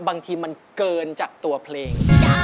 บางทีมันเกินจากตัวเพลง